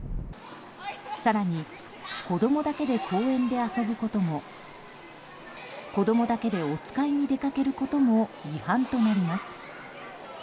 更に子供だけで公園で遊ぶことも子供だけで、おつかいに出かけることも違反となります。